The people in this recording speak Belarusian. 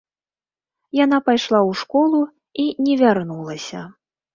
Яна пайшла ў школу і не вярнулася.